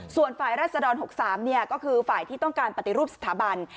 ส่วนฝ่ายรัศดร๖๓ก็คือฝ่ายที่ต้องการปฏิรูปสถาบัน